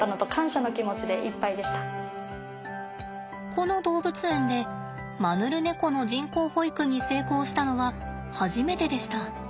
この動物園でマヌルネコの人工哺育に成功したのは初めてでした。